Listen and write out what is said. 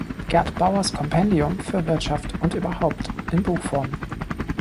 Gerd Bauers Kompendium für Wirtschaft und überhaupt" in Buchform.